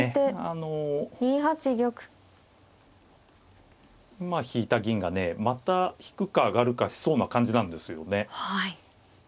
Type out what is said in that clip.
あのまあ引いた銀がねまた引くか上がるかしそうな感じなんですよね。